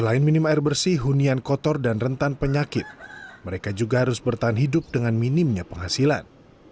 selain minim air bersih hunian kotor dan rentan penyakit mereka juga harus bertahan hidup dengan minimnya penghasilan